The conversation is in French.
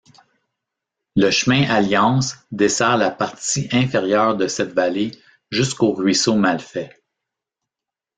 Le chemin Alliance dessert la partie inférieure de cette vallée jusqu'au ruisseau Malfait.